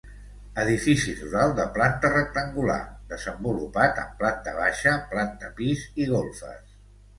Edifici rural de planta rectangular, desenvolupat en planta baixa, planta pis i golfes.